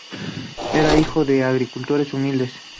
Era hijo de agricultores humildes.